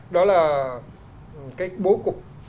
đó là cái bố cục